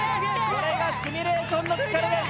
これがシミュレーションの力です。